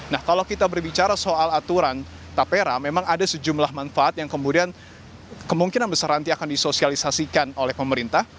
nah kalau kita berbicara soal aturan tapera memang ada sejumlah manfaat yang kemudian kemungkinan besar nanti akan disosialisasikan oleh pemerintah